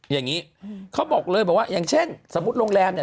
อย่างนี้เขาบอกเลยบอกว่าอย่างเช่นสมมุติโรงแรมเนี่ย